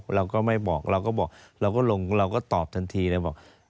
เราก็ไม่บอกเราก็บอกเราก็ลงเราก็ตอบทันทีเลยบอก